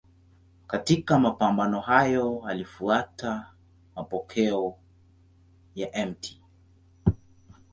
Katika mapambano hayo alifuata mapokeo ya Mt.